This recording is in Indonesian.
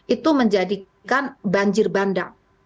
itu menjadikan banjir bandar